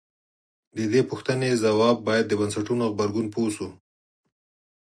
د دې پوښتنې ځواب باید د بنسټونو غبرګون پوه شو.